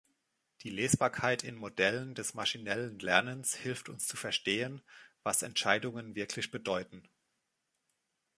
Die Lesbarkeit in Modellen des maschinellen Lernens hilft uns zu verstehen, was Entscheidungen wirklich bedeuten.